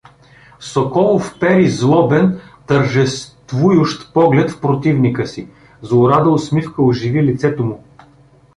Соколов впери злобен, тържествующ поглед в противника си; злорада усмивка оживи лицето му.